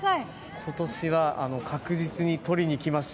今年は確実にとりにきました。